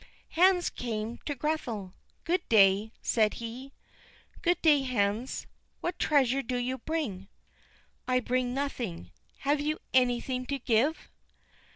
Hans came to Grethel. "Good day," said he. "Good day, Hans. What treasure do you bring?" "I bring nothing. Have you anything to give?"